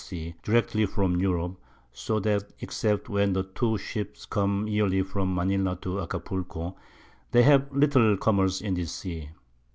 Sea, directly from Europe; so that except when the two Ships come yearly from Manila to Acapulco, they have little Commerce in this Sea.